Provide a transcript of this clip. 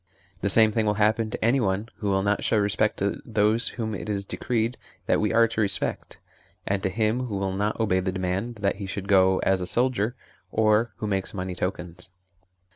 The same thing will happen to anyone who will not show respect to those whom it is decreed that we are to respect, and to him who will not obey the demand that he should go as a soldier, or who makes money tokens.